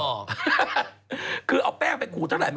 ปลาหมึกแท้เต่าทองอร่อยทั้งชนิดเส้นบดเต็มตัว